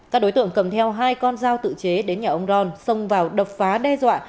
các đối tượng cầm theo hai con dao tự chế đến nhà ông ron xông vào đập phá đe dọa